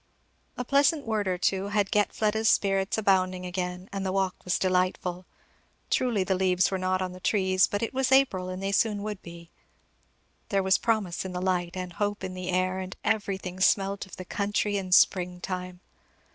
A pleasant word or two had get Fleda's spirits a bounding again, and the walk was delightful. Truly the leaves were not on the trees, but it was April, and they soon would be; there was promise in the light, and hope in the air, and everything smelt of the country and spring time.